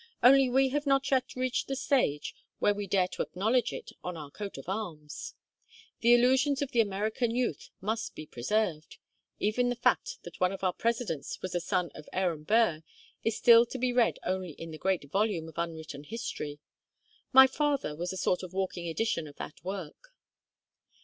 "Only we have not yet reached the stage where we dare to acknowledge it on our coat of arms. The illusions of the American youth must be preserved. Even the fact that one of our Presidents was a son of Aaron Burr is still to be read only in the great volume of unwritten history. My father was a sort of walking edition of that work."